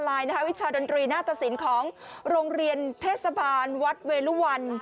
ครูสอนออนไลน์วิชาดนตรีหน้าตระสินของโรงเรียนเทศบาลวัดเวรุวัล